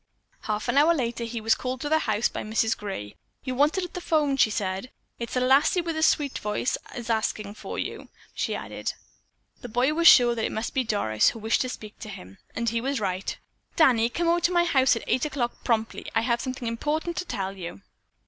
Half an hour later he was called to the house by Mrs. Gray. "You're wanted at the phone," she said. "It's a lassie with a sweet voice as is askin' for you," she added. The boy was sure that it must be Doris who wished to speak to him, and he was right. "Danny, come over to my house tonight at eight o'clock promptly. I have something important to tell you."